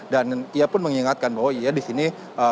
dan ia pun mengingatkan bahwa ia di sini